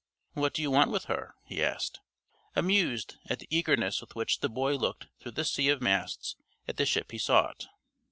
"What do you want with her?" he asked, amused at the eagerness with which the boy looked through the sea of masts at the ship he sought.